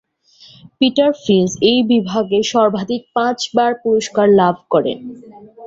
Peter Finch এই বিভাগে সর্বাধিক পাঁচবার পুরস্কার লাভ করেন।